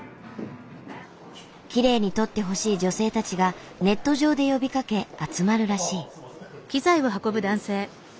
きれいに撮ってほしい女性たちがネット上で呼びかけ集まるらしい。